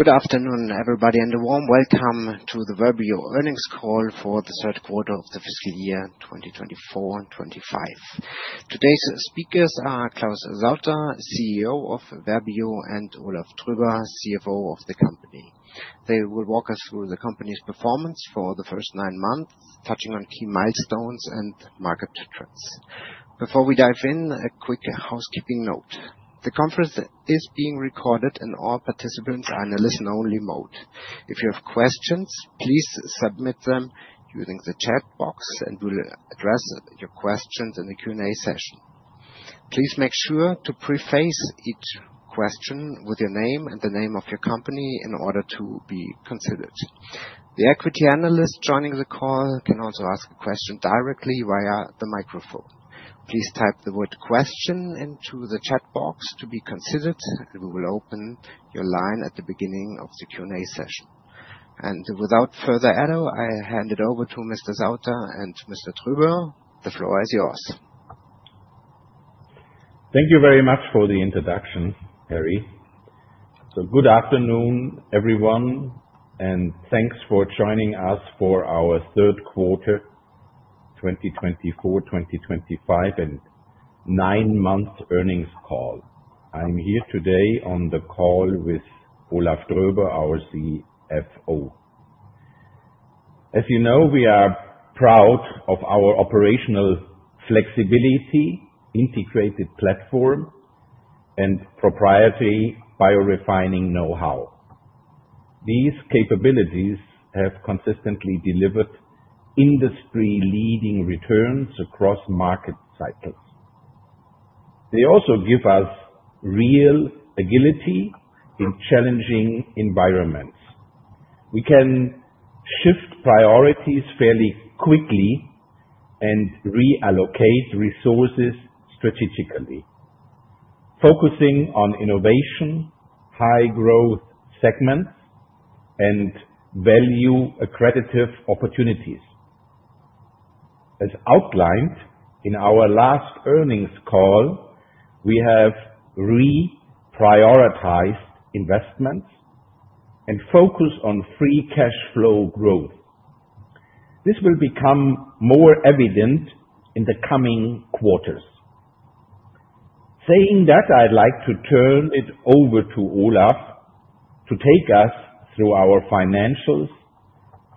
Good afternoon, everybody, and a warm welcome to the Verbio earnings call for the third quarter of the fiscal year 2024/2025. Today's speakers are Claus Sauter, CEO of Verbio, and Olaf Tröber, CFO of the company. They will walk us through the company's performance for the first nine months, touching on key milestones and market trends. Before we dive in, a quick housekeeping note: the conference is being recorded, and all participants are in a listen-only mode. If you have questions, please submit them using the chat box, and we'll address your questions in the Q&A session. Please make sure to preface each question with your name and the name of your company in order to be considered. The equity analyst joining the call can also ask a question directly via the microphone. Please type the word "question" into the chat box to be considered, and we will open your line at the beginning of the Q&A session. Without further ado, I hand it over to Mr. Sauter and Mr. Tröber. The floor is yours. Thank you very much for the introduction, Harold. Good afternoon, everyone, and thanks for joining us for our third quarter 2024/2025 and nine-month earnings call. I'm here today on the call with Olaf Tröber, our CFO. As you know, we are proud of our operational flexibility, integrated platform, and proprietary biorefining know-how. These capabilities have consistently delivered industry-leading returns across market cycles. They also give us real agility in challenging environments. We can shift priorities fairly quickly and reallocate resources strategically, focusing on innovation, high-growth segments, and value-accretive opportunities. As outlined in our last earnings call, we have reprioritized investments and focused on free cash flow growth. This will become more evident in the coming quarters. Saying that, I'd like to turn it over to Olaf to take us through our financials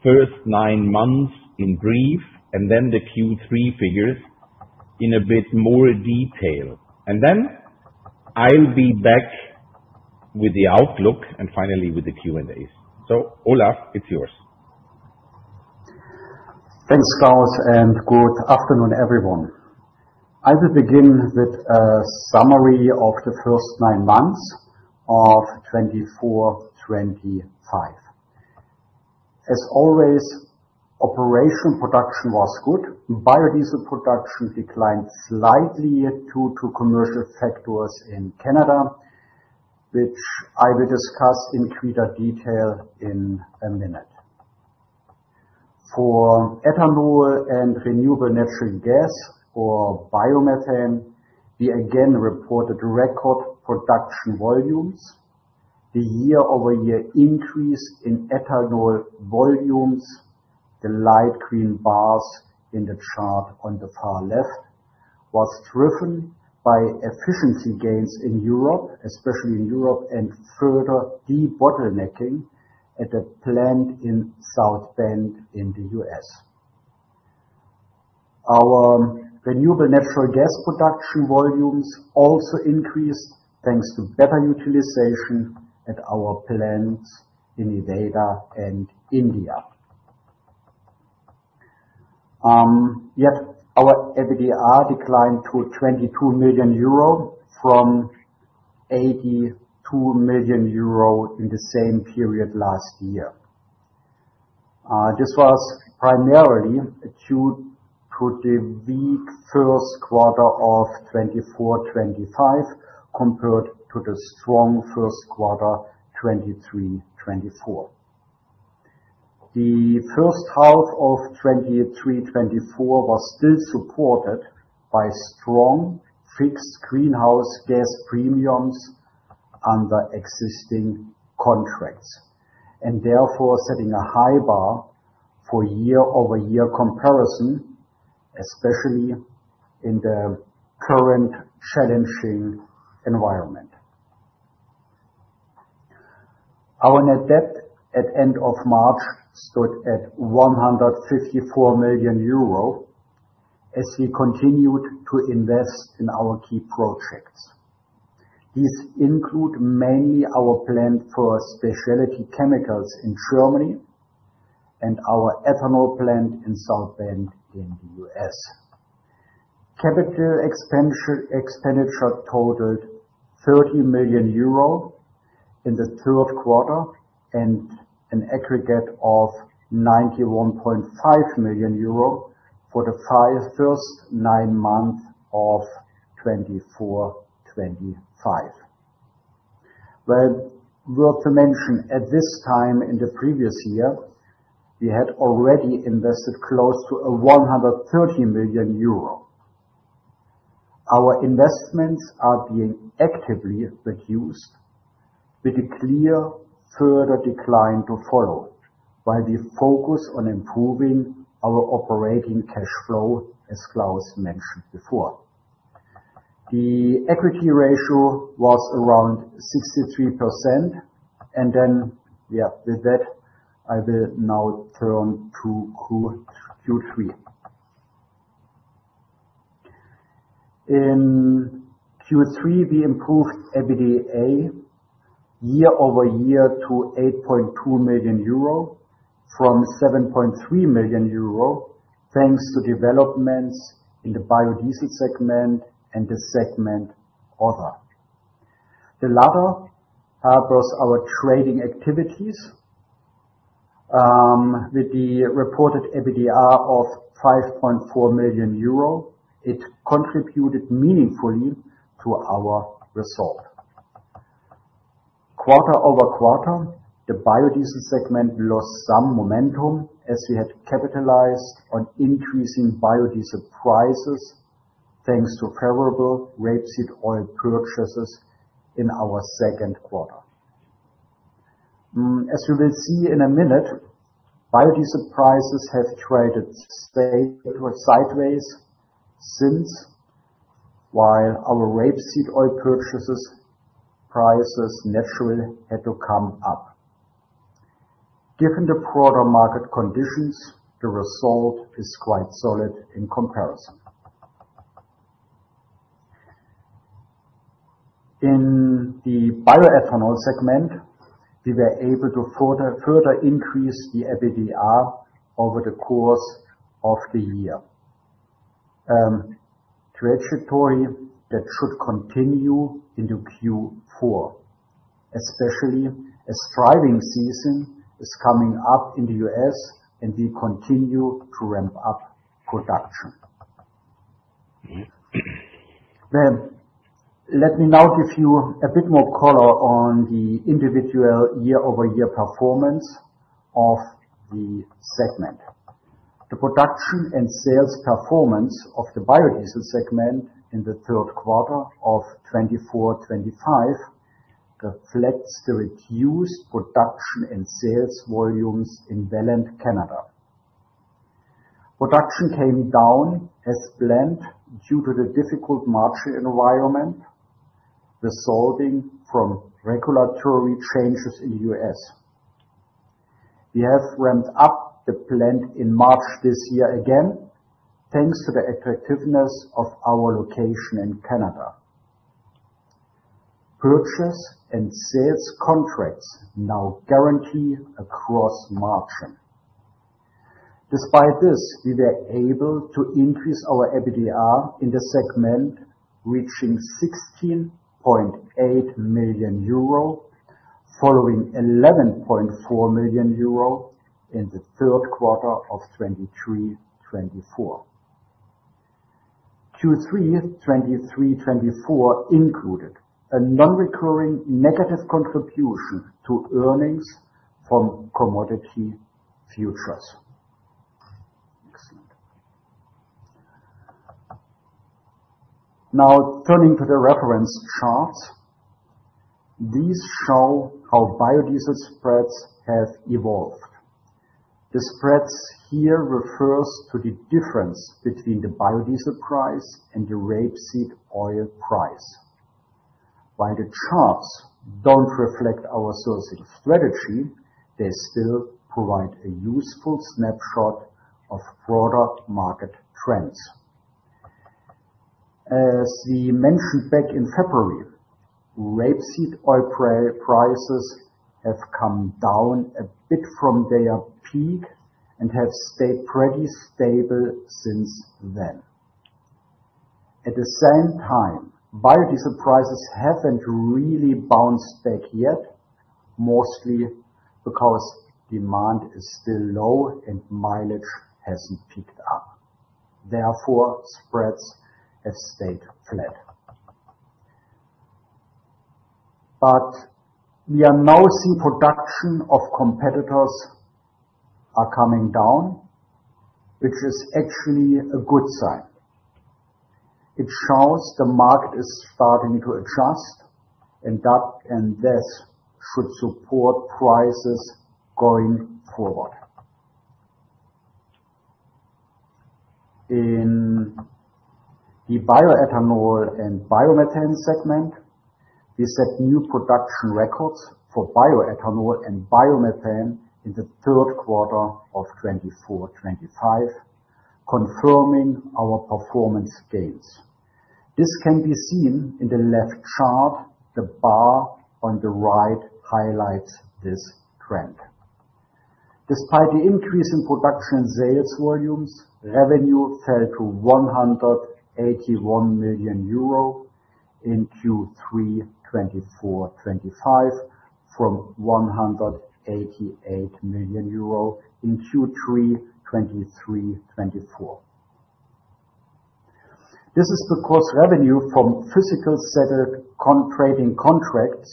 first nine months in brief and then the Q3 figures in a bit more detail. I'll be back with the outlook and finally with the Q&As. Olaf, it's yours. Thanks, Claus, and good afternoon, everyone. I will begin with a summary of the first nine months of 2024/2025. As always, operational production was good. Biodiesel production declined slightly due to commercial factors in Canada, which I will discuss in greater detail in a minute. For ethanol and renewable natural gas, or biomethane, we again reported record production volumes. The year-over-year increase in ethanol volumes, the light green bars in the chart on the far left, was driven by efficiency gains in Europe, especially in Europe, and further de-bottlenecking at a plant in South Bend in the U.S. Our renewable natural gas production volumes also increased thanks to better utilization at our plants in Nevada and India. Yet our EBITDA declined to 22 million euro from 82 million euro in the same period last year. This was primarily due to the weak first quarter of 2024/2025 compared to the strong first quarter 2023/2024. The first half of 2023/2024 was still supported by strong fixed greenhouse gas premiums under existing contracts, and therefore setting a high bar for year-over-year comparison, especially in the current challenging environment. Our net debt at the end of March stood at 154 million euro as we continued to invest in our key projects. These include mainly our plant for specialty chemicals in Germany and our ethanol plant in South Bend in the U.S. Capital expenditure totaled 30 million euro in the third quarter and an aggregate of 91.5 million euro for the first nine months of 2024/2025. Worth mentioning, at this time in the previous year, we had already invested close to 130 million euro. Our investments are being actively reduced with a clear further decline to follow while we focus on improving our operating cash flow, as Claus mentioned before. The equity ratio was around 63%, and then, yeah, with that, I will now turn to Q3. In Q3, we improved EBITDA year-over-year to 8.2 million euro from 7.3 million euro thanks to developments in the biodiesel segment and the segment other. The latter was our trading activities. With the reported EBITDA of 5.4 million euro, it contributed meaningfully to our result. Quarter over quarter, the biodiesel segment lost some momentum as we had capitalized on increasing biodiesel prices thanks to favorable rapeseed oil purchases in our second quarter. As you will see in a minute, biodiesel prices have traded sideways since, while our rapeseed oil purchase prices naturally had to come up. Given the broader market conditions, the result is quite solid in comparison. In the bioethanol segment, we were able to further increase the EBITDA over the course of the year, a trajectory that should continue into Q4, especially as driving season is coming up in the U.S. and we continue to ramp up production. Let me now give you a bit more color on the individual year-over-year performance of the segment. The production and sales performance of the biodiesel segment in the third quarter of 2024-2025 reflects the reduced production and sales volumes in Welland, Canada. Production came down as planned due to the difficult market environment resulting from regulatory changes in the U.S. We have ramped up the plant in March this year again thanks to the attractiveness of our location in Canada. Purchase and sales contracts now guarantee across margin. Despite this, we were able to increase our EBITDA in the segment, reaching 16.8 million euro following 11.4 million euro in the third quarter of 2023/2024. Q3/2023/2024 included a non-recurring negative contribution to earnings from commodity futures. Now, turning to the reference charts, these show how biodiesel spreads have evolved. The spreads here refer to the difference between the biodiesel price and the rapeseed oil price. While the charts do not reflect our sourcing strategy, they still provide a useful snapshot of broader market trends. As we mentioned back in February, rapeseed oil prices have come down a bit from their peak and have stayed pretty stable since then. At the same time, biodiesel prices have not really bounced back yet, mostly because demand is still low and mileage has not picked up. Therefore, spreads have stayed flat. We are now seeing production of competitors coming down, which is actually a good sign. It shows the market is starting to adjust, and that should support prices going forward. In the bioethanol and biomethane segment, we set new production records for bioethanol and biomethane in the third quarter of 2024/2025, confirming our performance gains. This can be seen in the left chart; the bar on the right highlights this trend. Despite the increase in production and sales volumes, revenue fell to 181 million euro in Q3/2024/2025 from 188 million euro in Q3/2023/2024. This is because revenue from physical trading contracts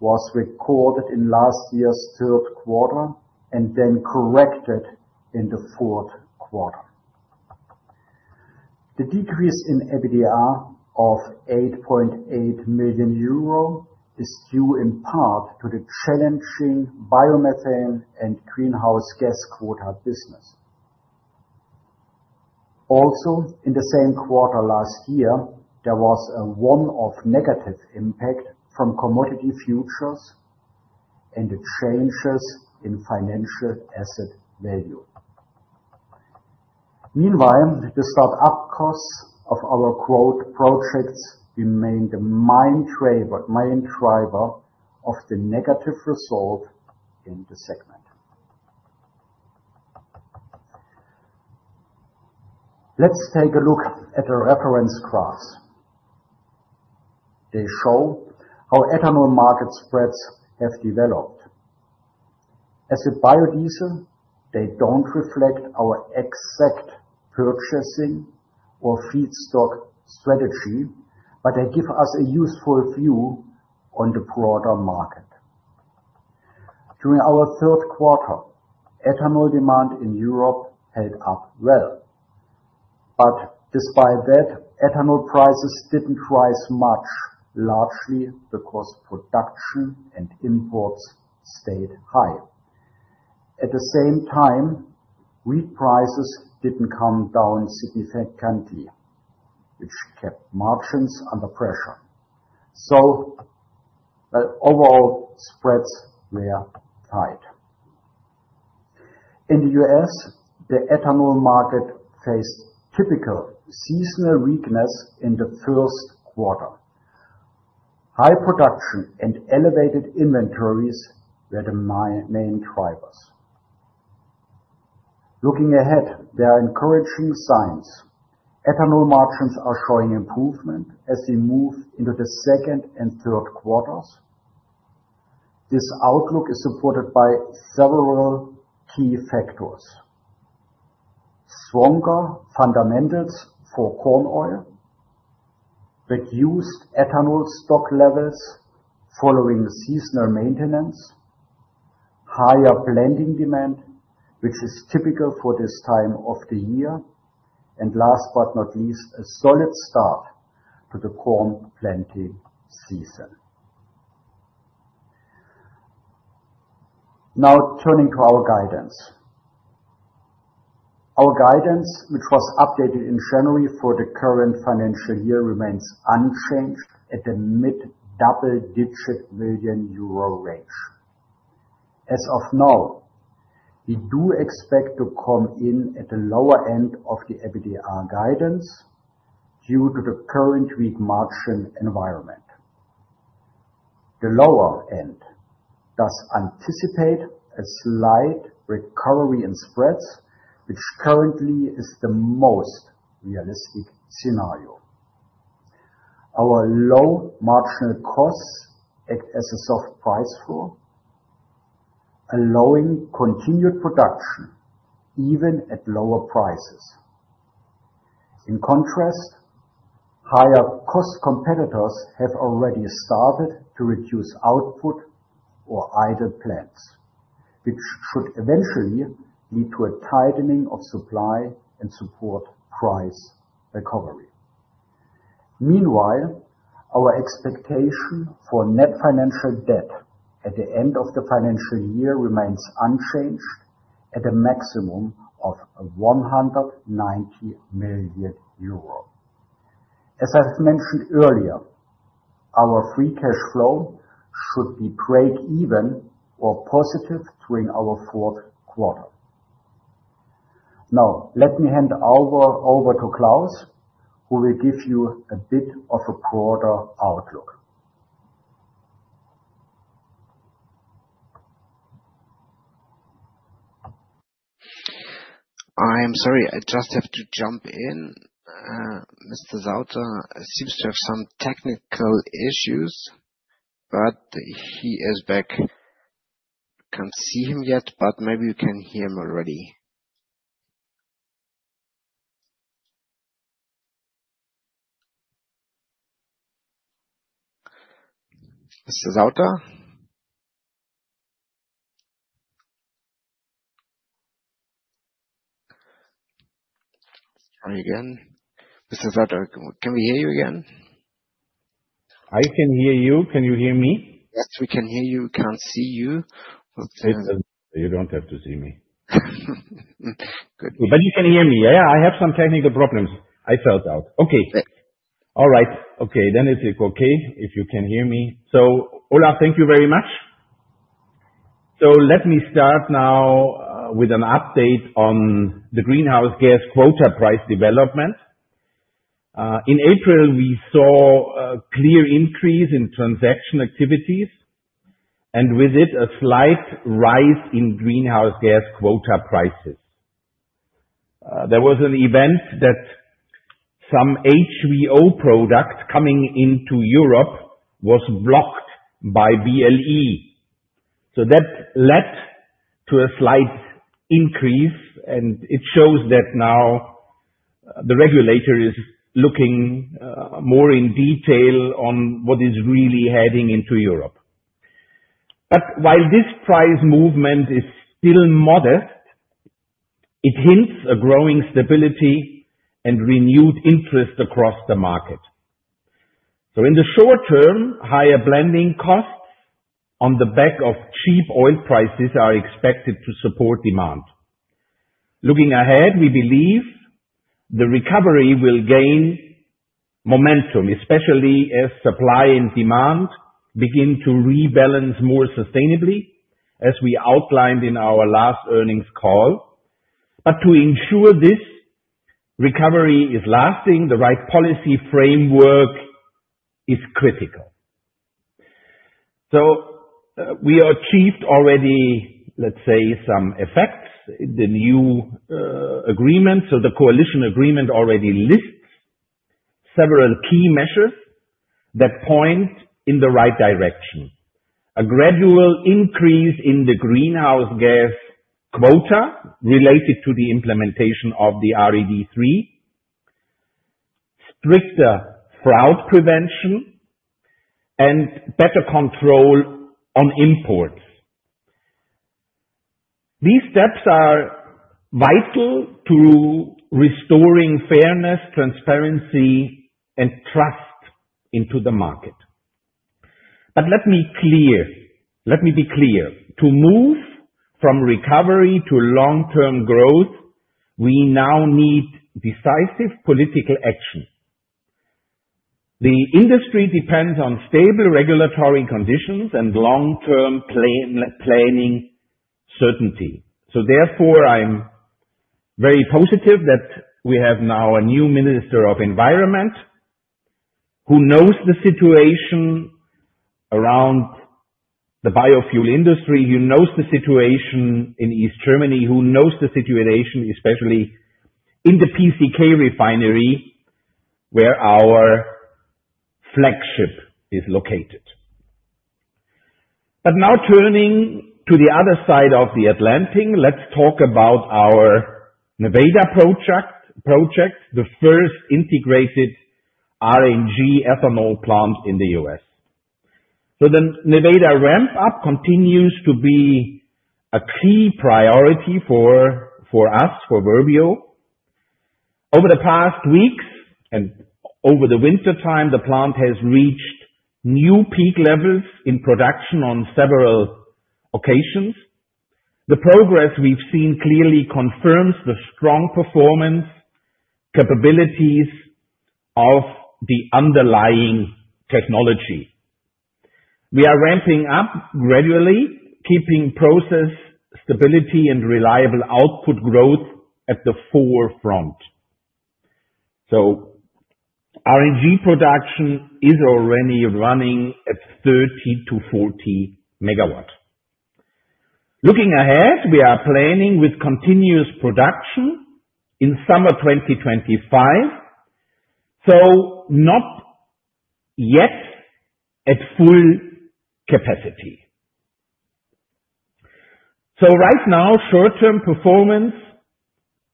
was recorded in last year's third quarter and then corrected in the fourth quarter. The decrease in EBITDA of 8.8 million euro is due in part to the challenging biomethane and greenhouse gas quota business. Also, in the same quarter last year, there was a one-off negative impact from commodity futures and the changes in financial asset value. Meanwhile, the startup costs of our quote projects remained the main driver of the negative result in the segment. Let's take a look at the reference graphs. They show how ethanol market spreads have developed. As with biodiesel, they do not reflect our exact purchasing or feedstock strategy, but they give us a useful view on the broader market. During our third quarter, ethanol demand in Europe held up well. Despite that, ethanol prices did not rise much, largely because production and imports stayed high. At the same time, wheat prices did not come down significantly, which kept margins under pressure. Overall, spreads were tight. In the U.S., the ethanol market faced typical seasonal weakness in the first quarter. High production and elevated inventories were the main drivers. Looking ahead, there are encouraging signs. Ethanol margins are showing improvement as we move into the second and third quarters. This outlook is supported by several key factors: stronger fundamentals for corn oil, reduced ethanol stock levels following seasonal maintenance, higher planting demand, which is typical for this time of the year, and last but not least, a solid start to the corn planting season. Now, turning to our guidance. Our guidance, which was updated in January for the current financial year, remains unchanged at the mid-double-digit million EUR range. As of now, we do expect to come in at the lower end of the EBITDA guidance due to the current weak margin environment. The lower end does anticipate a slight recovery in spreads, which currently is the most realistic scenario. Our low marginal costs act as a soft price floor, allowing continued production even at lower prices. In contrast, higher cost competitors have already started to reduce output or idle plants, which should eventually lead to a tightening of supply and support price recovery. Meanwhile, our expectation for net financial debt at the end of the financial year remains unchanged at a maximum of 190 million euro. As I've mentioned earlier, our free cash flow should be break-even or positive during our fourth quarter. Now, let me hand over to Claus, who will give you a bit of a broader outlook. I'm sorry, I just have to jump in. Mr. Sauter seems to have some technical issues, but he is back. I can't see him yet, but maybe you can hear him already. Mr. Sauter? Sorry again. Mr. Sauter, can we hear you again? I can hear you. Can you hear me? Yes, we can hear you. We can't see you. You don't have to see me. But you can hear me. Yeah, I have some technical problems. I fell out. Okay. All right. Okay. Then it's okay if you can hear me. Olaf, thank you very much. Let me start now with an update on the greenhouse gas quota price development. In April, we saw a clear increase in transaction activities and, with it, a slight rise in greenhouse gas quota prices. There was an event that some HVO product coming into Europe was blocked by BLE. That led to a slight increase, and it shows that now the regulator is looking more in detail on what is really heading into Europe. While this price movement is still modest, it hints at growing stability and renewed interest across the market. In the short term, higher blending costs on the back of cheap oil prices are expected to support demand. Looking ahead, we believe the recovery will gain momentum, especially as supply and demand begin to rebalance more sustainably, as we outlined in our last earnings call. To ensure this recovery is lasting, the right policy framework is critical. We achieved already, let's say, some effects in the new agreement. The coalition agreement already lists several key measures that point in the right direction: a gradual increase in the greenhouse gas quota related to the implementation of the RED III, stricter fraud prevention, and better control on imports. These steps are vital to restoring fairness, transparency, and trust into the market. Let me be clear. To move from recovery to long-term growth, we now need decisive political action. The industry depends on stable regulatory conditions and long-term planning certainty. Therefore, I'm very positive that we have now a new Minister of Environment who knows the situation around the biofuel industry, who knows the situation in East Germany, who knows the situation, especially in the PCK refinery where our flagship is located. Now, turning to the other side of the Atlantic, let's talk about our Nevada project, the first integrated RNG ethanol plant in the U.S. The Nevada ramp-up continues to be a key priority for us, for Verbio. Over the past weeks and over the wintertime, the plant has reached new peak levels in production on several occasions. The progress we've seen clearly confirms the strong performance capabilities of the underlying technology. We are ramping up gradually, keeping process stability and reliable output growth at the forefront. RNG production is already running at 30-40 MW. Looking ahead, we are planning with continuous production in summer 2025, though not yet at full capacity. Right now, short-term performance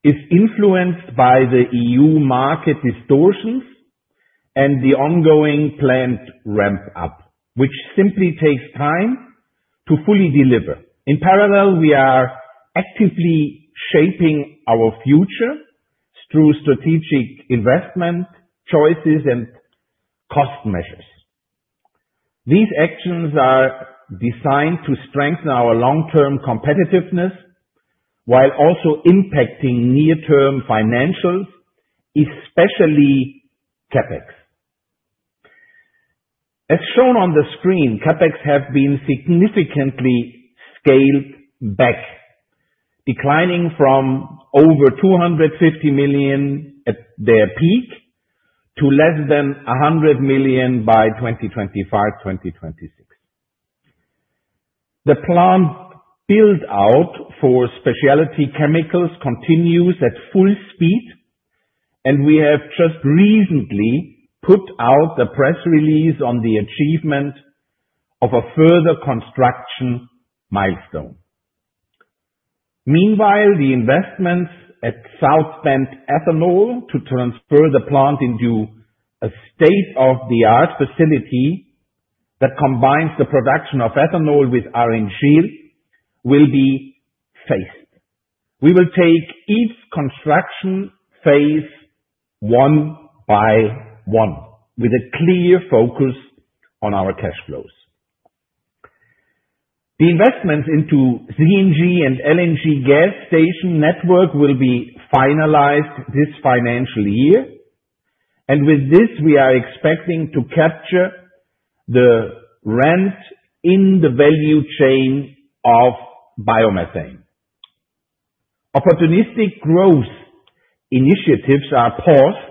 is influenced by the EU market distortions and the ongoing plant ramp-up, which simply takes time to fully deliver. In parallel, we are actively shaping our future through strategic investment choices and cost measures. These actions are designed to strengthen our long-term competitiveness while also impacting near-term financials, especially CapEx. As shown on the screen, CapEx have been significantly scaled back, declining from over 250 million at their peak to less than 100 million by 2025-2026. The plant build-out for specialty chemicals continues at full speed, and we have just recently put out the press release on the achievement of a further construction milestone. Meanwhile, the investments at South Bend Ethanol to transfer the plant into a state-of-the-art facility that combines the production of ethanol with RNG will be phased. We will take each construction phase one by one with a clear focus on our cash flows. The investments into CNG and LNG gas station network will be finalized this financial year. With this, we are expecting to capture the rent in the value chain of biomethane. Opportunistic growth initiatives are paused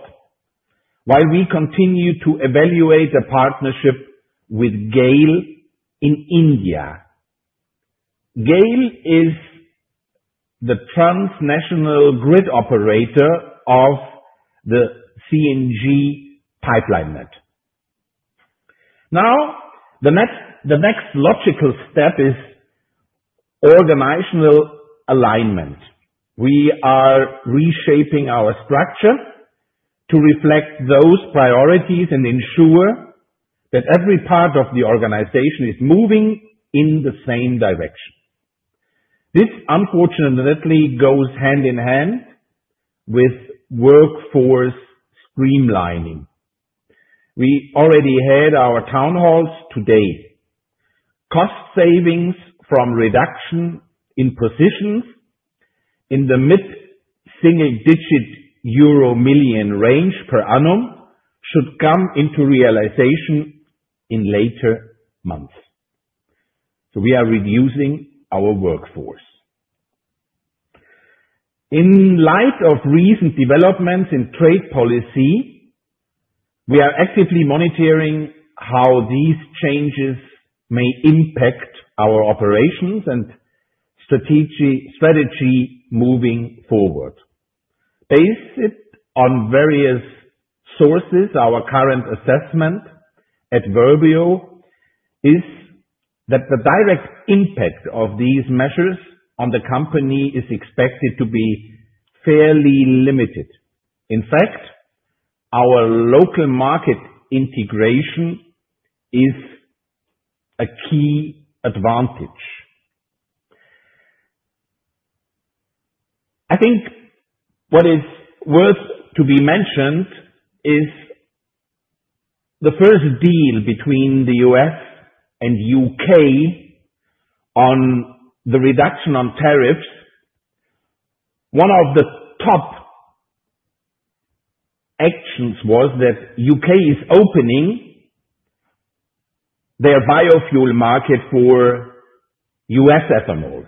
while we continue to evaluate a partnership with GAIL in India. GAIL is the transnational grid operator of the CNG pipeline net. Now, the next logical step is organizational alignment. We are reshaping our structure to reflect those priorities and ensure that every part of the organization is moving in the same direction. This, unfortunately, goes hand in hand with workforce streamlining. We already had our town halls today. Cost savings from reduction in positions in the mid-single-digit EUR million range per annum should come into realization in later months. We are reducing our workforce. In light of recent developments in trade policy, we are actively monitoring how these changes may impact our operations and strategy moving forward. Based on various sources, our current assessment at Verbio is that the direct impact of these measures on the company is expected to be fairly limited. In fact, our local market integration is a key advantage. I think what is worth to be mentioned is the first deal between the U.S. and U.K. on the reduction on tariffs. One of the top actions was that the U.K. is opening their biofuel market for U.S. ethanol.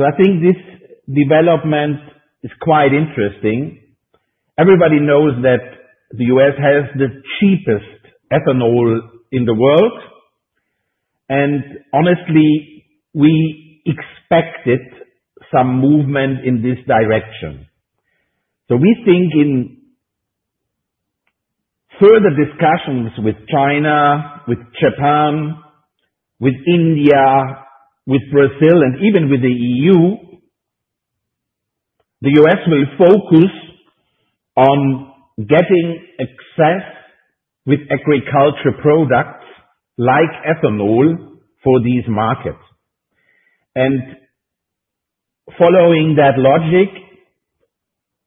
I think this development is quite interesting. Everybody knows that the U.S. has the cheapest ethanol in the world. Honestly, we expected some movement in this direction. We think in further discussions with China, with Japan, with India, with Brazil, and even with the EU, the U.S. will focus on getting access with agriculture products like ethanol for these markets. Following that logic,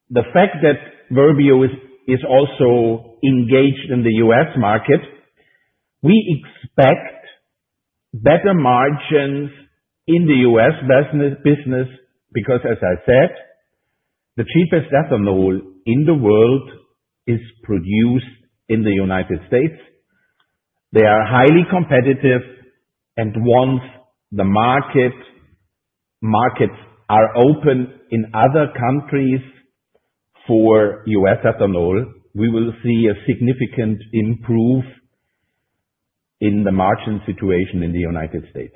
the fact that Verbio is also engaged in the US market, we expect better margins in the US business because, as I said, the cheapest ethanol in the world is produced in the United States. They are highly competitive and once the markets are open in other countries for US ethanol, we will see a significant improvement in the margin situation in the United States.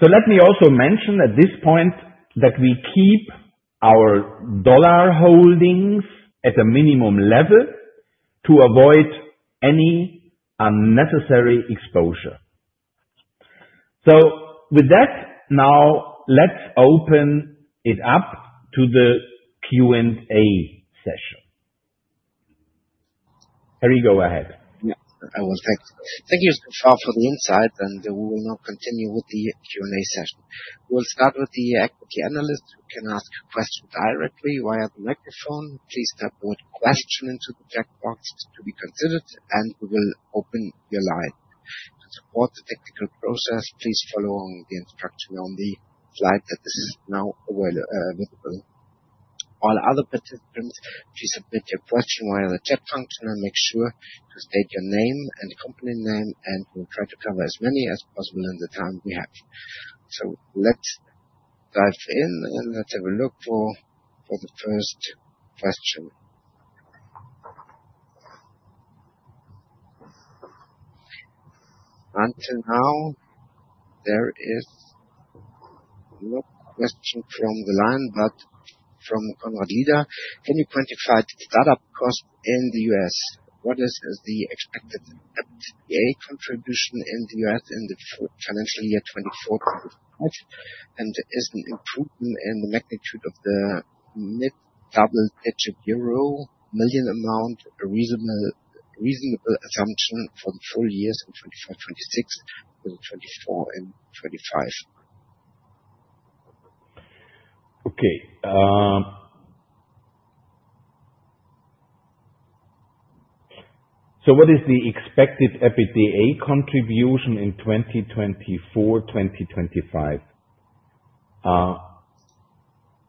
Let me also mention at this point that we keep our dollar holdings at a minimum level to avoid any unnecessary exposure. With that, now let's open it up to the Q&A session. Harold, go ahead. Yeah, I will. Thank you. Thank you, Mr. Sauter, for the insight, and we will now continue with the Q&A session. We'll start with the equity analyst who can ask questions directly via the microphone. Please type the word "question" into the chat box to be considered, and we will open your line. To support the technical process, please follow the instruction on the slide that is now available. All other participants, please submit your question via the chat function and make sure to state your name and company name, and we'll try to cover as many as possible in the time we have. Let's dive in and let's have a look for the first question. Until now, there is no question from the line, but from. Can you quantify the startup cost in the U.S.? What is the expected FTA contribution in the US in the financial year 2024-2025? Is an improvement in the magnitude of the mid-double-digit euro million amount a reasonable assumption for the full years in 2024-2026 or 2024-2025? Okay. What is the expected EBITDA contribution in 2024-2025?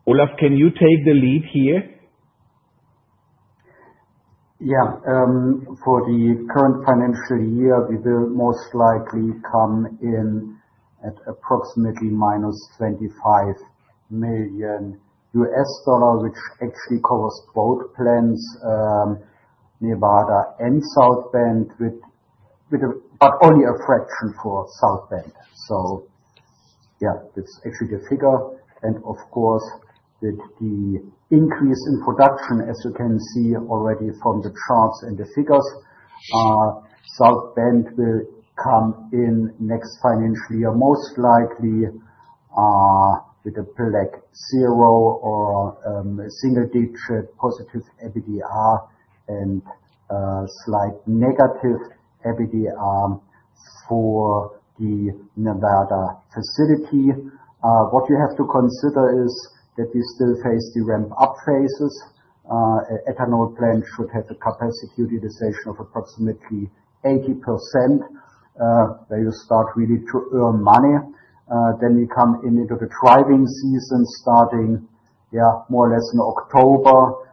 Olaf, can you take the lead here? Yeah. For the current financial year, we will most likely come in at approximately minus $25 million, which actually covers both plants, Nevada and South Bend, but only a fraction for South Bend. That is actually the figure. Of course, with the increase in production, as you can see already from the charts and the figures, South Bend will come in next financial year most likely with a black zero or a single-digit positive EBITDA and a slight negative EBITDA for the Nevada facility. What you have to consider is that we still face the ramp-up phases. An ethanol plant should have a capacity utilization of approximately 80% where you start really to earn money. Then we come into the driving season starting, yeah, more or less in October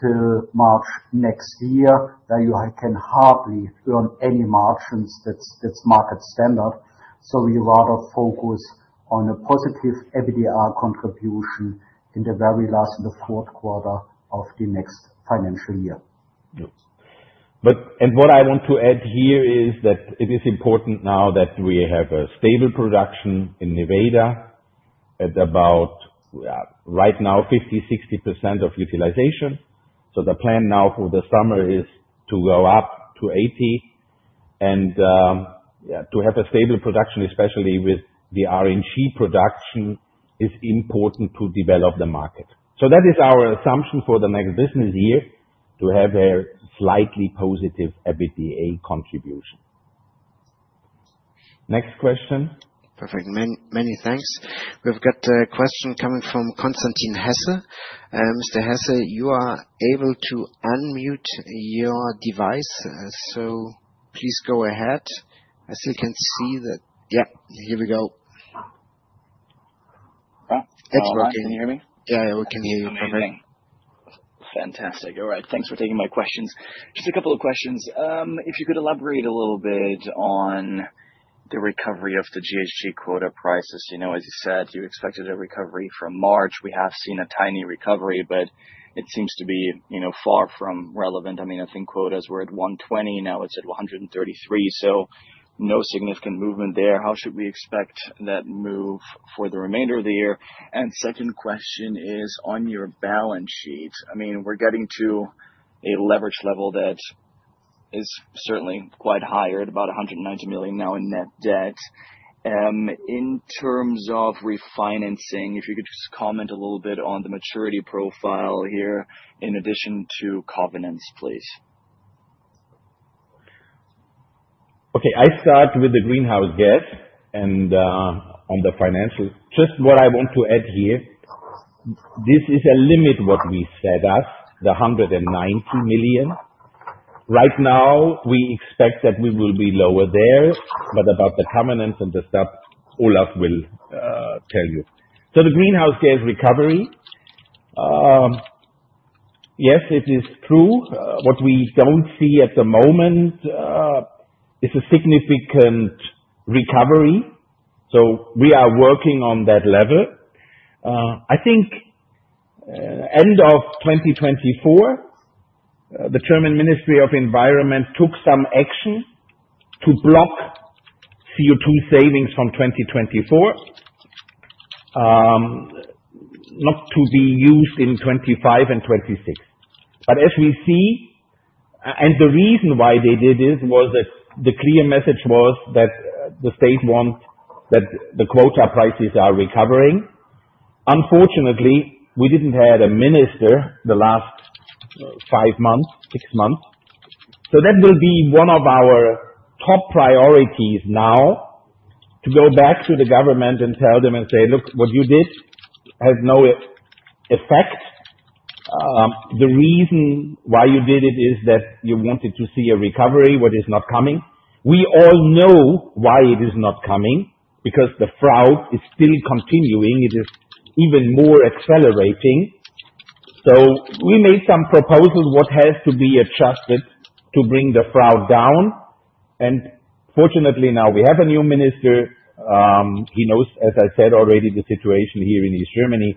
till March next year, where you can hardly earn any margins. That is market standard. We rather focus on a positive EBITDA contribution in the very last, in the fourth quarter of the next financial year. What I want to add here is that it is important now that we have a stable production in Nevada at about, yeah, right now, 50%-60% of utilization. The plan now for the summer is to go up to 80%. Yeah, to have a stable production, especially with the RNG production, is important to develop the market. That is our assumption for the next business year to have a slightly positive EBITDA contribution. Next question. Perfect. Many thanks. We have got a question coming from Constantin Hesse. Mr. Hesse, you are able to unmute your device, so please go ahead. I still can see that. Yeah, here we go. It is working. Can you hear me? Yeah, yeah, we can hear you perfectly. Fantastic. All right. Thanks for taking my questions. Just a couple of questions. If you could elaborate a little bit on the recovery of the GHG quota prices. As you said, you expected a recovery from March. We have seen a tiny recovery, but it seems to be far from relevant. I mean, I think quotas were at 120. Now it is at 133, so no significant movement there. How should we expect that move for the remainder of the year? Second question is on your balance sheet. I mean, we're getting to a leverage level that is certainly quite higher at about 190 million now in net debt. In terms of refinancing, if you could just comment a little bit on the maturity profile here in addition to covenants, please. Okay. I start with the greenhouse gas and on the financial. Just what I want to add here, this is a limit what we set as the 190 million. Right now, we expect that we will be lower there, but about the covenants and the stuff, Olaf will tell you. The greenhouse gas recovery, yes, it is true. What we do not see at the moment is a significant recovery. We are working on that level. I think end of 2024, the German Ministry of Environment took some action to block CO2 savings from 2024, not to be used in 2025 and 2026. As we see, and the reason why they did this was that the clear message was that the state wants that the quota prices are recovering. Unfortunately, we did not have a minister the last five months, six months. That will be one of our top priorities now to go back to the government and tell them and say, "Look, what you did has no effect. The reason why you did it is that you wanted to see a recovery, what is not coming." We all know why it is not coming because the fraud is still continuing. It is even more accelerating. We made some proposals what has to be adjusted to bring the fraud down. Fortunately, now we have a new minister. He knows, as I said already, the situation here in East Germany.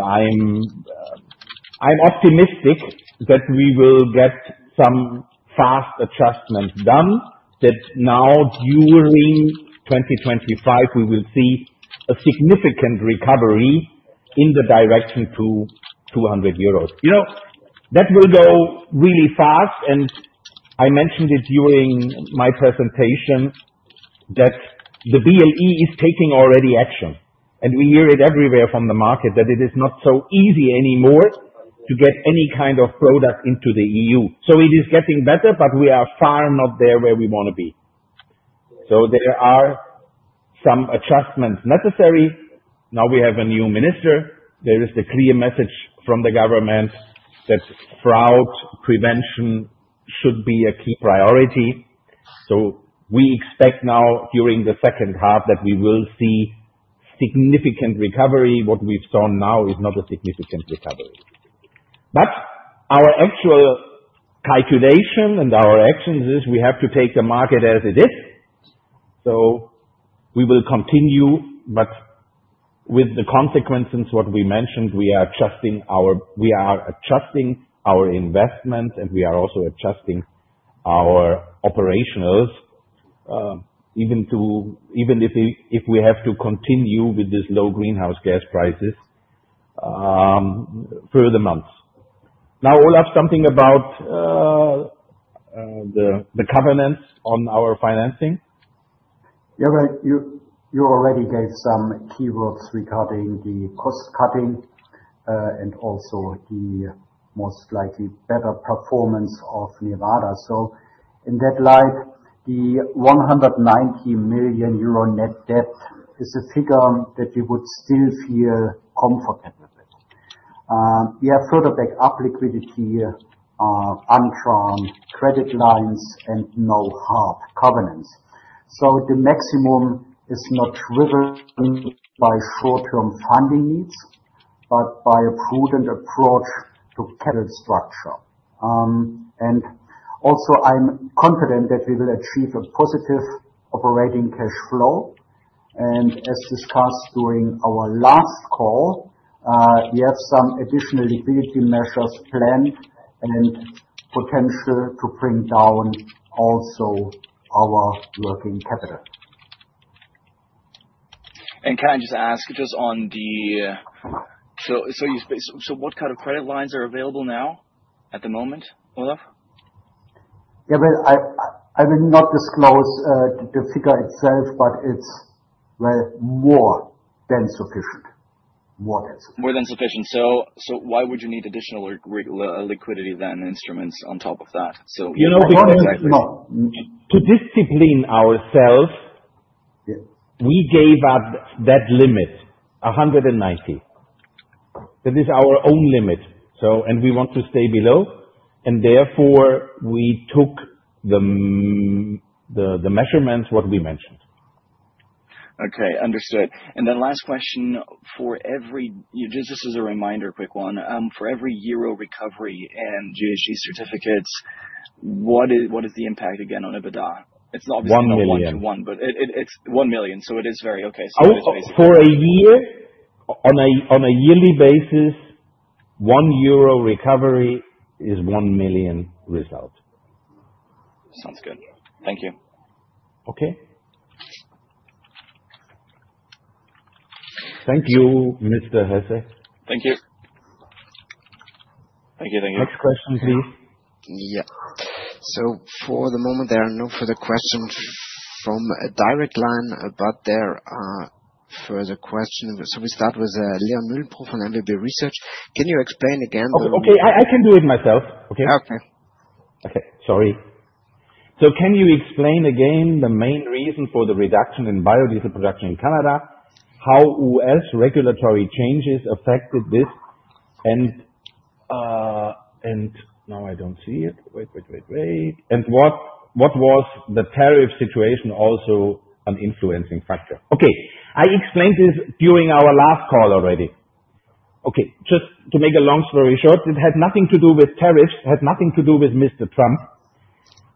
I am optimistic that we will get some fast adjustment done that now during 2025, we will see a significant recovery in the direction to 200 euros. That will go really fast. I mentioned it during my presentation that the BLE is taking already action. We hear it everywhere from the market that it is not so easy anymore to get any kind of product into the EU. It is getting better, but we are far not there where we want to be. There are some adjustments necessary. Now we have a new minister. There is the clear message from the government that fraud prevention should be a key priority. We expect now during the second half that we will see significant recovery. What we've seen now is not a significant recovery. Our actual calculation and our actions is we have to take the market as it is. We will continue, but with the consequences we mentioned, we are adjusting our investments, and we are also adjusting our operationals even if we have to continue with this low greenhouse gas prices for the months. Now, Olaf, something about the covenants on our financing? Yeah, you already gave some keywords regarding the cost cutting and also the most likely better performance of Nevada. In that light, the 190 million euro net debt is a figure that you would still feel comfortable with. We have further backup liquidity, untrained credit lines, and no hard covenants. The maximum is not driven by short-term funding needs, but by a prudent approach to capital structure. I am confident that we will achieve a positive operating cash flow. As discussed during our last call, we have some additional liquidity measures planned and potential to bring down also our working capital. Can I just ask, just on the, what kind of credit lines are available now at the moment, Olaf? I will not disclose the figure itself, but it is more than sufficient. More than sufficient. More than sufficient. Why would you need additional liquidity then and instruments on top of that? Why not exactly? To discipline ourselves, we gave up that limit, 190. That is our own limit. We want to stay below. Therefore, we took the measurements we mentioned. Understood. Last question for every, just this is a reminder, quick one. For every euro recovery and GHG certificates, what is the impact again on EBITDA? It's obviously not one to one, but it's 1 million. It is very okay. It's basically... For a year, on a yearly basis, one euro recovery is 1 million result. Sounds good. Thank you. Okay. Thank you, Mr. Hesse. Thank you. Thank you. Thank you. Next question, please. Yeah. For the moment, there are no further questions from a direct line, but there are further questions. We start with Leon Mühlenbruch from MBB Research. Can you explain again The—okay. I can do it myself. Okay. Okay. Sorry. Can you explain again the main reason for the reduction in biodiesel production in Canada, how US regulatory changes affected this? I don't see it. Wait, wait, wait. Was the tariff situation also an influencing factor? Okay. I explained this during our last call already. Okay. Just to make a long story short, it had nothing to do with tariffs. It had nothing to do with Mr. Trump.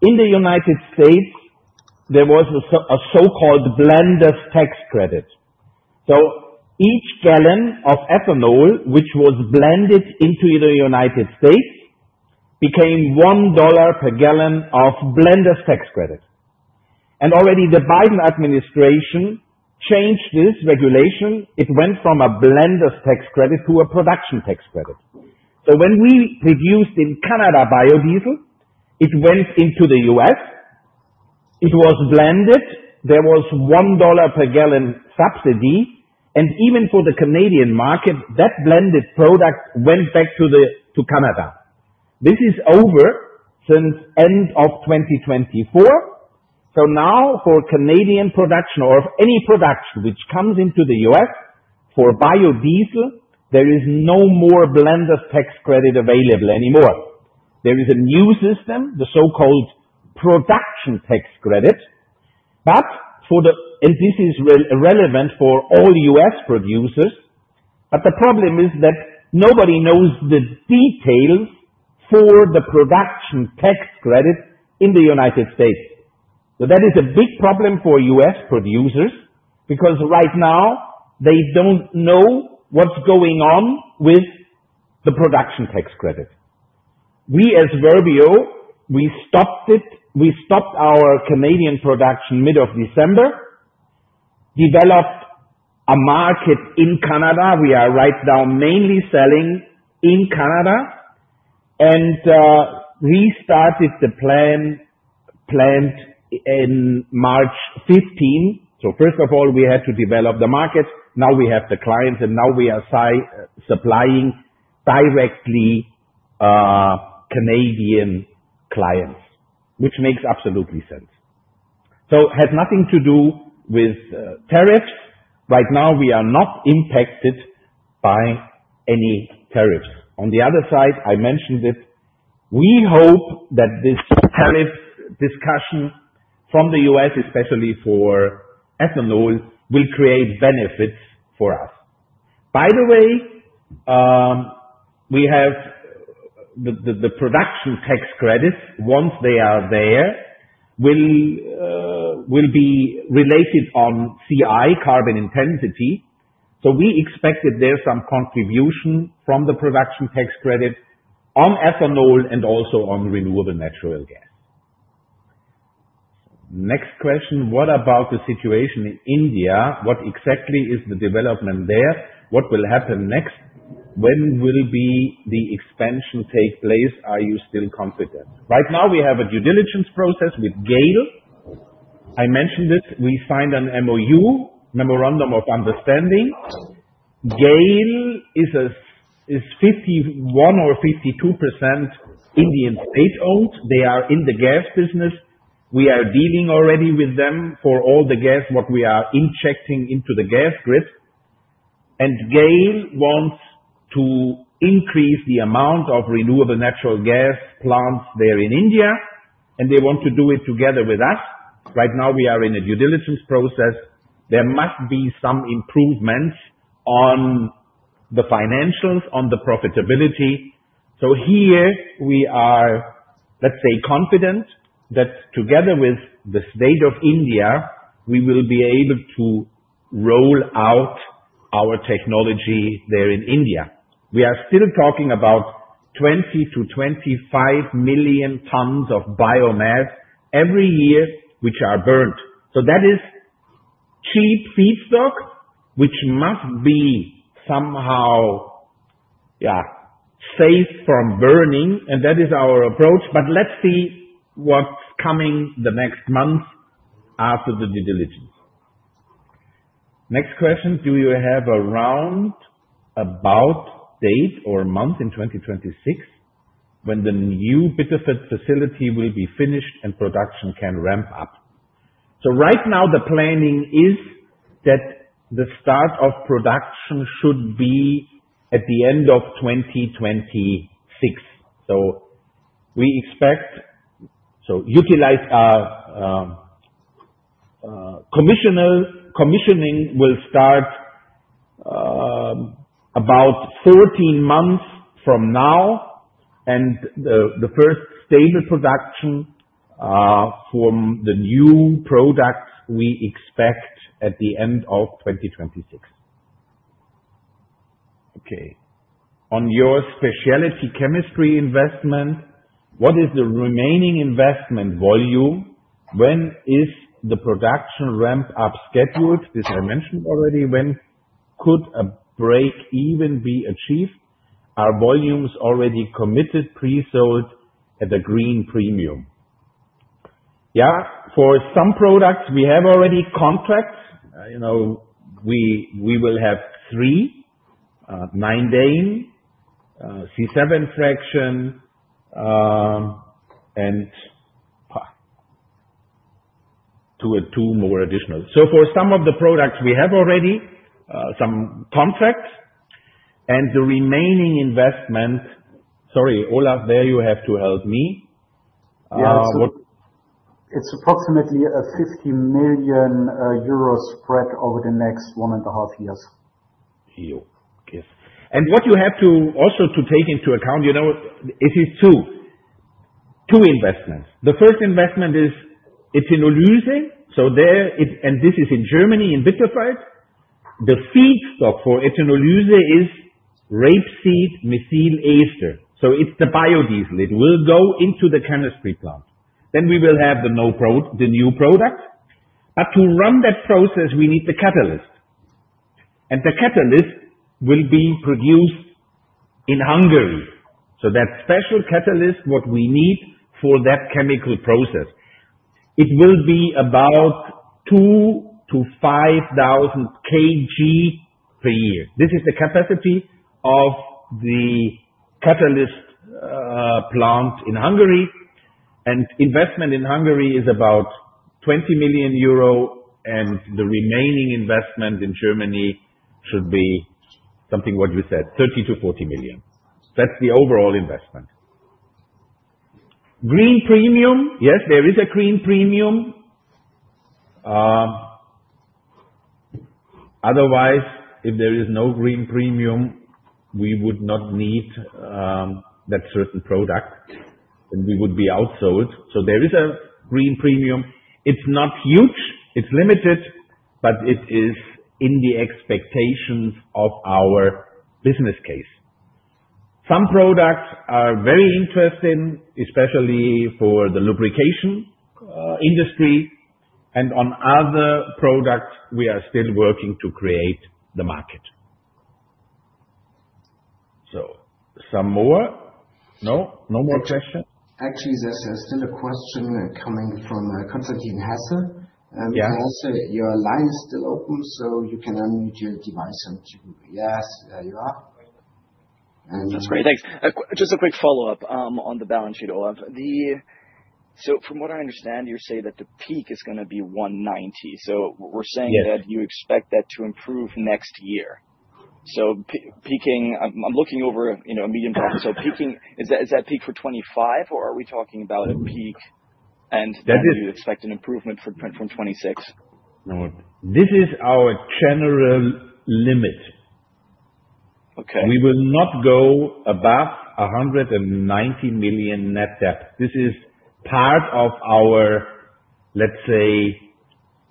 In the United States, there was a so-called blender's tax credit. Each gallon of ethanol, which was blended into the United States, became $1 per gallon of blender's tax credit. Already the Biden administration changed this regulation. It went from a blender's tax credit to a production tax credit. When we produced in Canada biodiesel, it went into the U.S. It was blended. There was $1 per gallon subsidy. Even for the Canadian market, that blended product went back to Canada. This is over since the end of 2024. Now for Canadian production or any production which comes into the U.S. for biodiesel, there is no more blender's tax credit available anymore. There is a new system, the so-called production tax credit. This is relevant for all US producers. The problem is that nobody knows the details for the production tax credit in the United States. That is a big problem for US producers because right now, they do not know what is going on with the production tax credit. We, as Verbio, stopped our Canadian production mid December, developed a market in Canada. We are right now mainly selling in Canada. We started the plant in March 2015. First of all, we had to develop the market. Now we have the clients, and now we are supplying directly Canadian clients, which makes absolute sense. It has nothing to do with tariffs. Right now, we are not impacted by any tariffs. On the other side, I mentioned it. We hope that this tariff discussion from the U.S., especially for ethanol, will create benefits for us. By the way, we have the production tax credits. Once they are there, will be related on CI, carbon intensity. We expect that there is some contribution from the production tax credit on ethanol and also on renewable natural gas. Next question. What about the situation in India? What exactly is the development there? What will happen next? When will the expansion take place? Are you still confident? Right now, we have a due diligence process with GAIL. I mentioned it. We signed an MoU, Memorandum of Understanding. GAIL is 51% or 52% Indian state-owned. They are in the gas business. We are dealing already with them for all the gas what we are injecting into the gas grid. GAIL wants to increase the amount of renewable natural gas plants there in India. They want to do it together with us. Right now, we are in a due diligence process. There must be some improvements on the financials, on the profitability. Here, we are, let's say, confident that together with the state of India, we will be able to roll out our technology there in India. We are still talking about 20-25 million tons of biomass every year which are burned. That is cheap feedstock which must be somehow, yeah, safe from burning. That is our approach. Let's see what's coming the next month after the due diligence. Next question. Do you have a round about date or month in 2026 when the new bit of facility will be finished and production can ramp up? Right now, the planning is that the start of production should be at the end of 2026. We expect commissioning will start about 14 months from now. The first stable production from the new product we expect at the end of 2026. Okay. On your specialty chemistry investment, what is the remaining investment volume? When is the production ramp-up scheduled? This I mentioned already. When could a break even be achieved? Our volume is already committed, pre-sold at a green premium. Yeah. For some products, we have already contracts. We will have three nine-day C7 fraction, and two more additional. For some of the products, we have already some contracts. The remaining investment, sorry, Olaf, there you have to help me. It is approximately 50 million euro spread over the next one and a half years. What you have to also take into account, it is two investments. The first investment is ethenolysis. This is in Germany, in Bitterfeld. The feedstock for ethenolysis is rapeseed methyl ester. It is the biodiesel. It will go into the chemistry plant. We will have the new product. To run that process, we need the catalyst. The catalyst will be produced in Hungary. That special catalyst, what we need for that chemical process, it will be about 2,000-5,000 kg per year. This is the capacity of the catalyst plant in Hungary. Investment in Hungary is about 20 million euro. The remaining investment in Germany should be something what you said, 30-40 million. That is the overall investment. Green premium. Yes, there is a green premium. Otherwise, if there is no green premium, we would not need that certain product. We would be outsold. There is a green premium. It is not huge. It is limited, but it is in the expectations of our business case. Some products are very interesting, especially for the lubrication industry. On other products, we are still working to create the market. Some more? No? No more questions? Actually, there is still a question coming from Constantin Hesse. Also, your line is still open, so you can unmute your device and you can, yes. There you are. That is great. Thanks. Just a quick follow-up on the balance sheet, Olaf. From what I understand, you are saying that the peak is going to be 190 million. You are saying that you expect that to improve next year. I am looking over a medium term. Is that peak for 2025, or are we talking about a peak? Do you expect an improvement from 2026? This is our general limit. We will not go above 190 million net debt. This is part of our, let's say,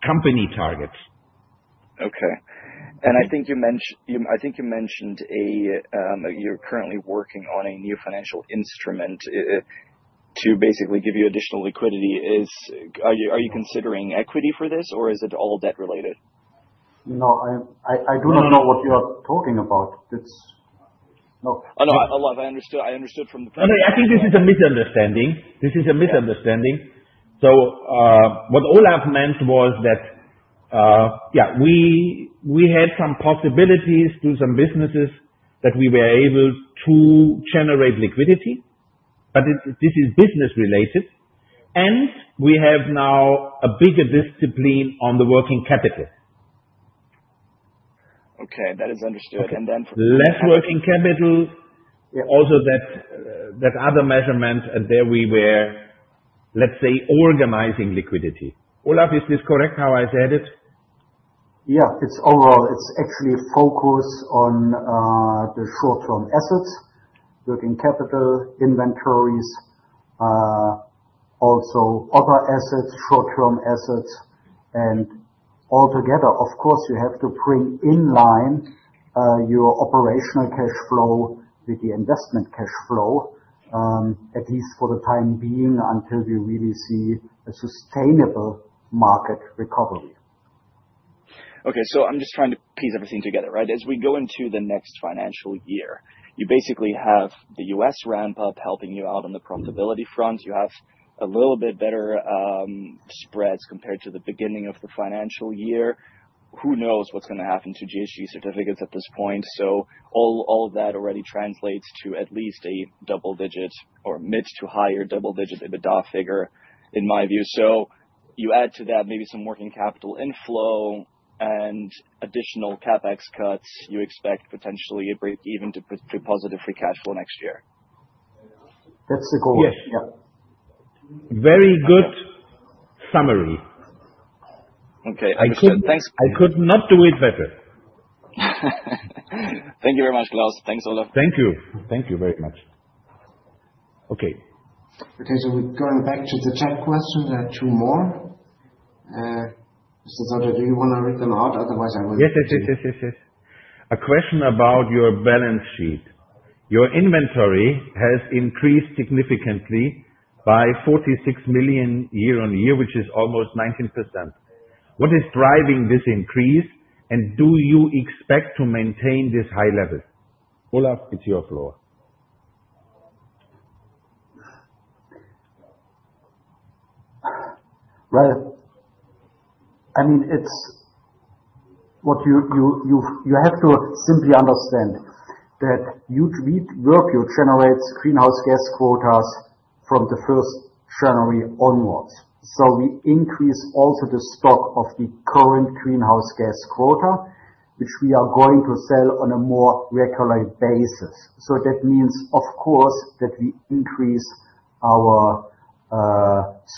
company targets. Okay. I think you mentioned you're currently working on a new financial instrument to basically give you additional liquidity. Are you considering equity for this, or is it all debt-related? No, I do not know what you are talking about. Oh, no. Olaf, I understood from the first. I think this is a misunderstanding. This is a misunderstanding. What Olaf meant was that, yeah, we had some possibilities to some businesses that we were able to generate liquidity. But this is business-related. We have now a bigger discipline on the working capital. Okay. That is understood. For the less working capital, also, that other measurement, and there we were, let's say, organizing liquidity. Olaf, is this correct how I said it? Yeah. Overall, it's actually focused on the short-term assets, working capital, inventories, also other assets, short-term assets. Altogether, of course, you have to bring in line your operational cash flow with the investment cash flow, at least for the time being until you really see a sustainable market recovery. Okay. I'm just trying to piece everything together, right? As we go into the next financial year, you basically have the U.S. ramp-up helping you out on the profitability front. You have a little bit better spreads compared to the beginning of the financial year. Who knows what's going to happen to GHG certificates at this point? All of that already translates to at least a double-digit or mid to higher double-digit EBITDA figure, in my view. You add to that maybe some working capital inflow and additional CapEx cuts. You expect potentially even to positive free cash flow next year. That's the goal. Yes. Very good summary. Okay. Excellent. Thanks. I could not do it better. Thank you very much, Claus. Thanks, Olaf. Thank you. Thank you very much. Okay. So we're going back to the chat questions. There are two more. Mr. Sauter, do you want to read them out? Otherwise, I will. Yes. A question about your balance sheet. Your inventory has increased significantly by 46 million year-on-year, which is almost 19%. What is driving this increase? And do you expect to maintain this high level? Olaf, it's your floor. I mean, you have to simply understand that Verbio generates greenhouse gas quotas from the 1 January onwards. We increase also the stock of the current greenhouse gas quota, which we are going to sell on a more regular basis. That means, of course, that we increase our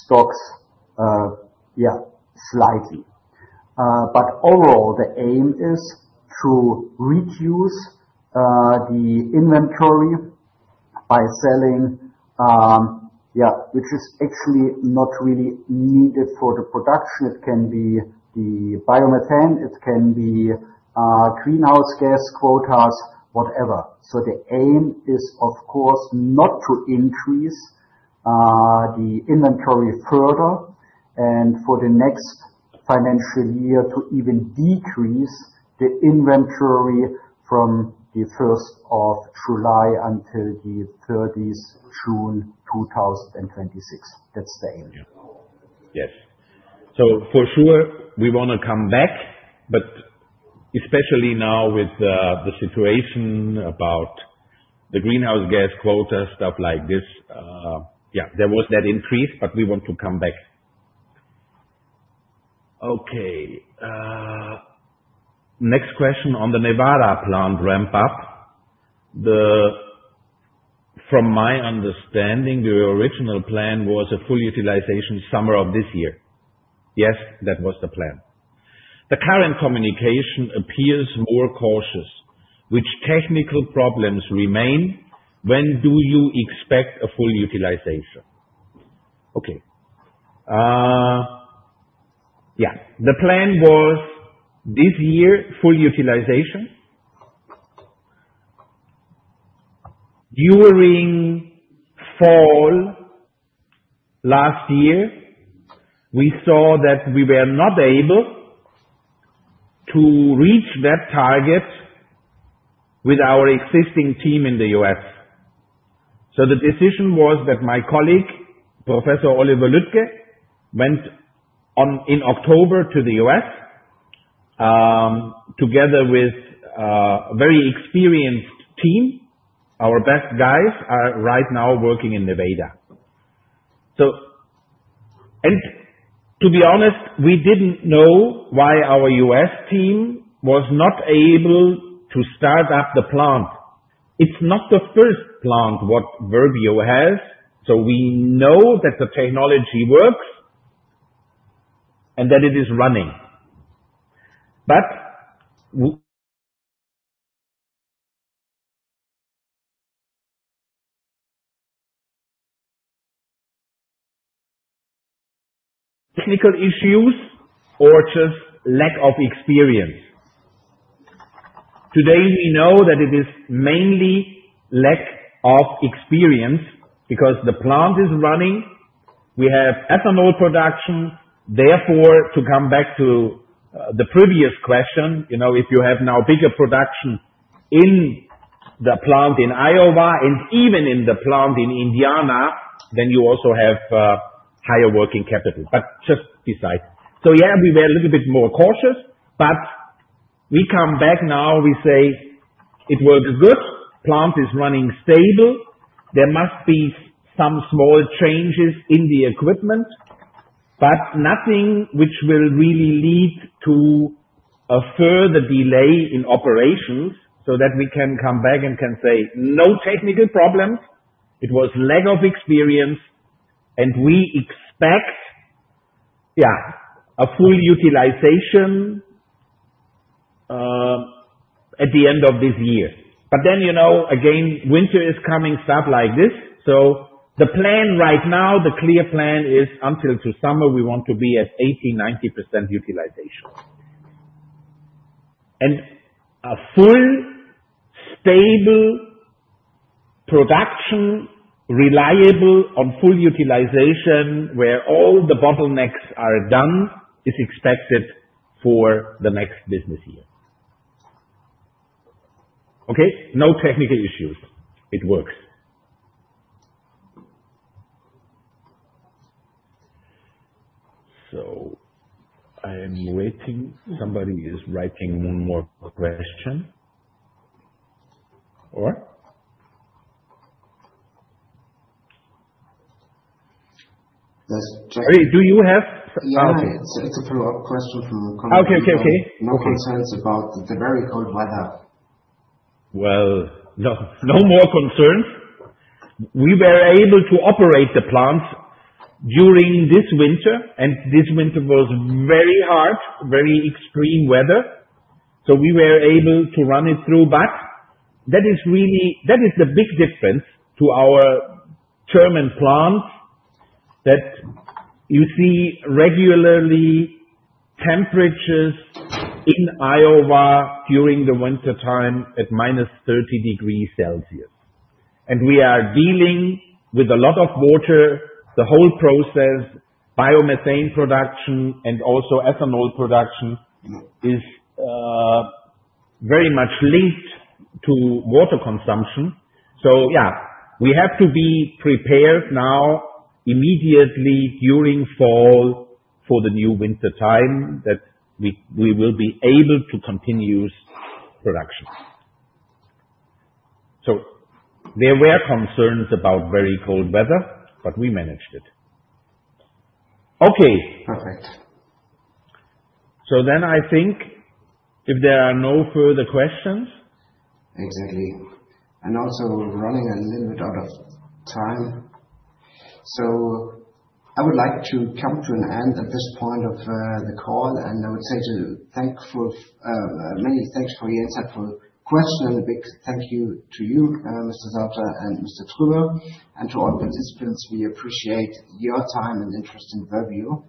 stocks, yeah, slightly. Overall, the aim is to reduce the inventory by selling, yeah, which is actually not really needed for the production. It can be the biomethane. It can be greenhouse gas quotas, whatever. The aim is, of course, not to increase the inventory further and for the next financial year to even decrease the inventory from the 1st of July until the 30th of June 2026. That is the aim. Yes. For sure, we want to come back, but especially now with the situation about the greenhouse gas quotas, stuff like this, yeah, there was that increase, but we want to come back. Okay. Next question on the Nevada plant ramp-up. From my understanding, the original plan was a full utilization summer of this year. Yes, that was the plan. The current communication appears more cautious. Which technical problems remain? When do you expect a full utilization? Okay. Yeah. The plan was this year, full utilization. During fall last year, we saw that we were not able to reach that target with our existing team in the U.S. The decision was that my colleague, Professor Oliver Lütke, went in October to the U.S. together with a very experienced team. Our best guys are right now working in Nevada. To be honest, we did not know why our US team was not able to start up the plant. It is not the first plant what Verbio has. We know that the technology works and that it is running. But technical issues or just lack of experience? Today, we know that it is mainly lack of experience because the plant is running. We have ethanol production. Therefore, to come back to the previous question, if you have now bigger production in the plant in Iowa and even in the plant in Indiana, then you also have higher working capital. Just besides. Yeah, we were a little bit more cautious. We come back now. We say it works good. Plant is running stable. There must be some small changes in the equipment, but nothing which will really lead to a further delay in operations so that we can come back and can say, "No technical problems. It was lack of experience." We expect, yeah, a full utilization at the end of this year. Then again, winter is coming, stuff like this. The plan right now, the clear plan is until summer, we want to be at 80-90% utilization. A full, stable production, reliable on full utilization where all the bottlenecks are done is expected for the next business year. Okay. No technical issues. It works. I am waiting. Somebody is writing one more question. Or? Do you have? Yeah. It's a follow-up question from. Okay, okay, okay. No concerns about the very cold weather. No more concerns. We were able to operate the plant during this winter. This winter was very hard, very extreme weather. We were able to run it through. That is the big difference to our German plant that you see regularly temperatures in Iowa during the wintertime at minus 30 degrees Celsius. We are dealing with a lot of water. The whole process, biomethane production and also ethanol production is very much linked to water consumption. Yeah, we have to be prepared now immediately during fall for the new winter time that we will be able to continue production. There were concerns about very cold weather, but we managed it. Okay. Perfect. I think if there are no further questions. Exactly. Also, we're running a little bit out of time. I would like to come to an end at this point of the call. I would say many thanks for your insightful question. A big thank you to you, Mr. Sauter and Mr. Tröber. To all participants, we appreciate your time and interest in Verbio.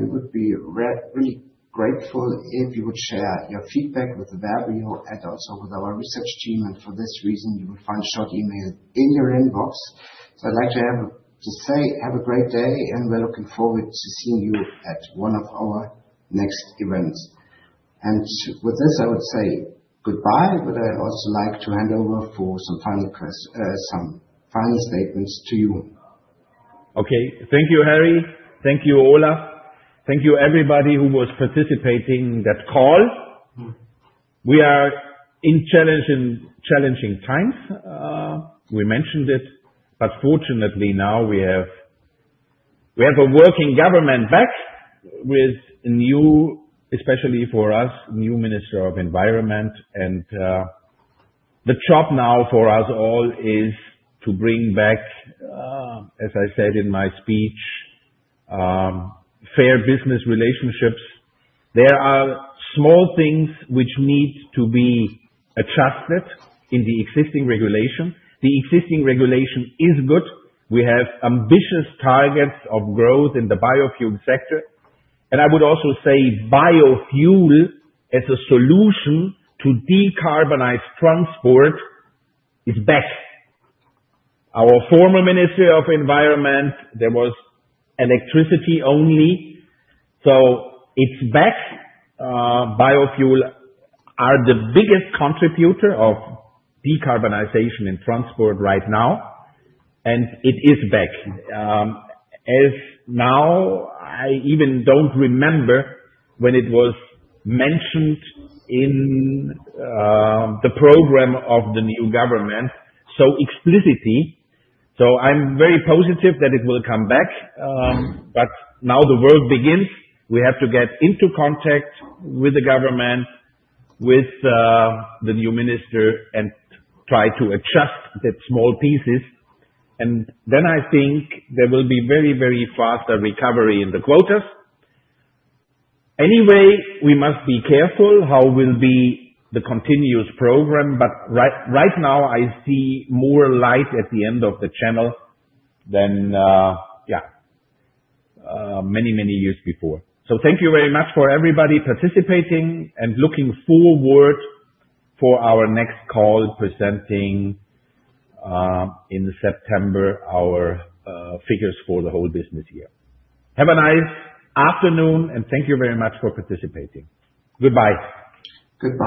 We would be really grateful if you would share your feedback with Verbio and also with our research team. For this reason, you will find a short email in your inbox. I would like to say have a great day. We are looking forward to seeing you at one of our next events. With this, I would say goodbye. I would also like to hand over for some final statements to you. Okay. Thank you, Harold. Thank you, Olaf. Thank you, everybody who was participating in that call. We are in challenging times. We mentioned it. Fortunately, now we have a working government back with a new, especially for us, new Minister of Environment. The job now for us all is to bring back, as I said in my speech, fair business relationships. There are small things which need to be adjusted in the existing regulation. The existing regulation is good. We have ambitious targets of growth in the biofuel sector. I would also say biofuel as a solution to decarbonize transport is back. Our former Minister of Environment, there was electricity only. It is back. Biofuel are the biggest contributor of decarbonization in transport right now. It is back. As now, I even do not remember when it was mentioned in the program of the new government so explicitly. I am very positive that it will come back. Now the work begins. We have to get into contact with the government, with the new minister, and try to adjust the small pieces. I think there will be very, very fast a recovery in the quotas. Anyway, we must be careful how will be the continuous program. Right now, I see more light at the end of the channel than, yeah, many, many years before. Thank you very much for everybody participating and looking forward for our next call presenting in September our figures for the whole business year. Have a nice afternoon. Thank you very much for participating. Goodbye. Goodbye.